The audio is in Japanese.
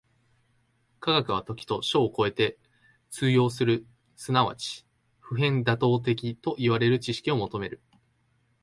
科学は時と処を超えて通用する即ち普遍妥当的といわれる知識を求める。